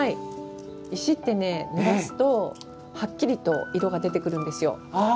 石って、ぬらすとはっきりと色が出てくるんです。